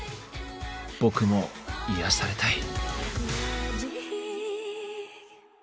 僕も癒やされたい。